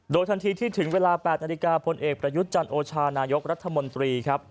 โดยทันทีที่ถึงเวลา๘นาฬิกาพลเอกประยุทธ์จันโอชานายกรัฐมนตรีครับ